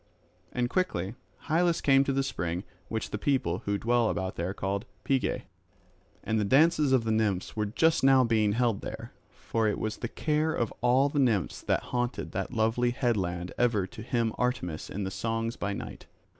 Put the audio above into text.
And quickly Hylas came to the spring which the people who dwell thereabouts call Pegae. And the dances of the nymphs were just now being held there; for it was the care of all the nymphs that haunted that lovely headland ever to hymn Artemis in songs by night.